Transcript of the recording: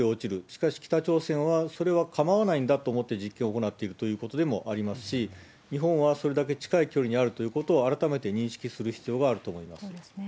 しかし北朝鮮は、それはかまわないんだと思って実験を行っているということでもありますし、日本はそれだけ近い距離にあるということを、改めて認そうですね。